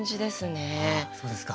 あそうですか。